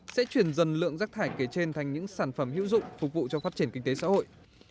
sẽ chuyển dần lượng rác thải kể trên thành những sản phẩm hữu dụng phục vụ cho phát triển kinh tế xã hội